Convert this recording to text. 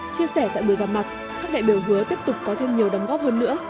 chia sẻ tại buổi gặp mặt các đại biểu hứa tiếp tục có thêm nhiều đóng góp hơn nữa